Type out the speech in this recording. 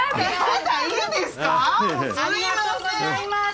ありがとうございます。